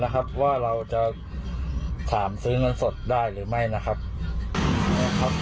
ครับว่าเราจะถามซื้อเงินสดได้หรือไม่นะครับ